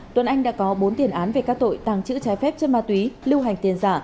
tuấn anh đã có bốn tiền án về các tội tàng trữ trái phép chân ma túy lưu hành tiền giả